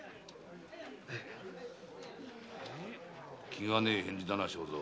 気がねえ返事だなあ。